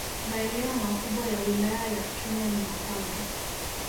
Maeneo makubwa ya Wilaya ya Chunya ni makavu